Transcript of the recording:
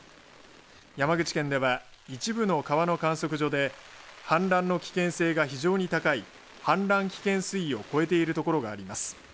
山口県では一部の川の観測所で氾濫の危険性が非常に高い氾濫危険水位を超えている所があります。